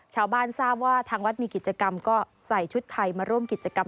ชาวบ้านทราบว่าทางวัดมีกิจกรรมก็ใส่ชุดไทยมาร่วมกิจกรรม